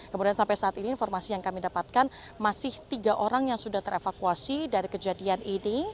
kemudian sampai saat ini informasi yang kami dapatkan masih tiga orang yang sudah terevakuasi dari kejadian ini